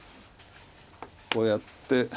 こうやって。